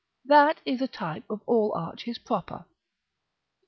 That is a type of all arches proper.